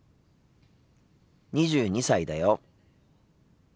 ２２歳だよ。